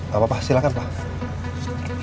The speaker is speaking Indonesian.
gapapa silahkan pak